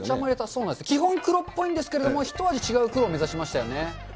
そうなんです、基本、黒っぽいんですけれども、一味違う黒を目指しましたよね。